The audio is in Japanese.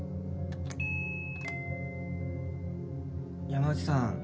山内さん。